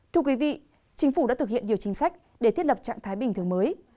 thưa quý vị chính phủ đã thực hiện nhiều chính sách để thiết lập trạng thái bình thường mới